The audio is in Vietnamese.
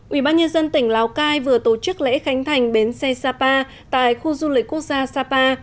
ubnd tỉnh lào cai vừa tổ chức lễ khánh thành bến xe sapa tại khu du lịch quốc gia sapa